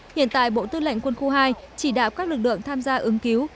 hiện tại bộ tư lệnh quân khu hai chỉ đạo các lực lượng tham gia ứng cứu